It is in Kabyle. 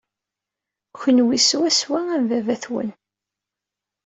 Kenwi swaswa am baba-twen.